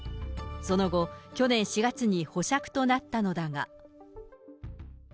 その後、去年４月に保釈となったのだが。